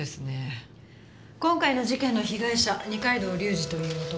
今回の事件の被害者二階堂隆二という男